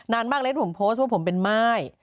มากเลยที่ผมโพสต์ว่าผมเป็นม่าย